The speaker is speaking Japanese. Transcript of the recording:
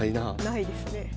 ないですね。